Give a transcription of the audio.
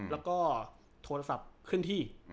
แล้วก็โทรศัพท์เคลื่อนที่